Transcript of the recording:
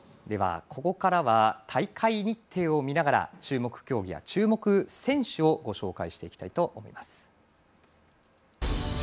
では、ここからは大会日程を見ながら注目競技や注目選手をご紹介していきます。